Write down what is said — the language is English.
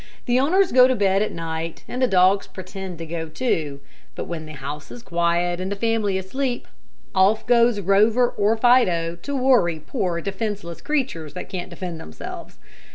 The owners go to bed at night, and the dogs pretend to go, too; but when the house is quiet and the family asleep, off goes Rover or Fido to worry poor, defenseless creatures that can't defend themselves.